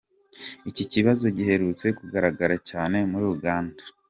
Iki kibazo giherutse kugaragara cyane muri Uganda.